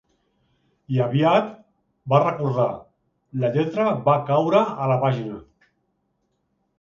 I aviat, va recordar, la lletra va caure a la pàgina.